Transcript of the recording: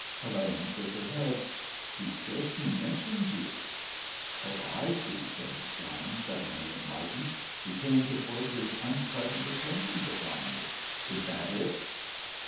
Elaine shook her head. "He scarcely mentioned you." "Oh, I see," said John, suddenly enlightened; "he came to force his unpleasant attentions upon you. Is that it?"